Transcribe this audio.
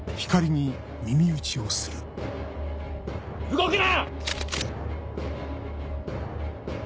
動くな！